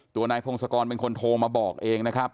ตัวนายพงศกรเป็นคนโทรมาบอกเองนะครับ